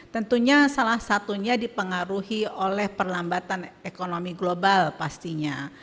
tentunya salah satunya dipengaruhi oleh perlambatan ekonomi global pastinya